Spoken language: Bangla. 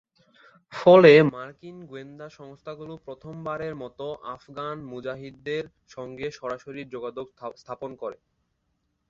ফলে মার্কিন গোয়েন্দা সংস্থাগুলো প্রথম বারের মতো আফগান মুজাহিদদের সঙ্গে সরাসরি যোগাযোগ স্থাপন করে।